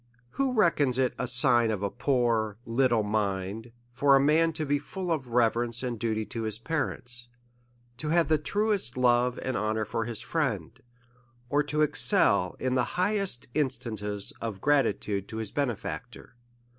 Who reckons it a sign of a poor, little mind, for a man to be full of reverence and duty to his parents, to have the truest love and honour for his friend, or to excel in the high est instances of gratitude to his benefactor?